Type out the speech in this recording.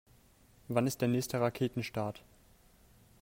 Wann ist der nächste Raketenstart?